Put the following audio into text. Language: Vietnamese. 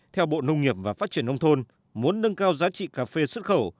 theo bộ nông nghiệp và phát triển nông thôn muốn nâng cao giá trị cà phê xuất khẩu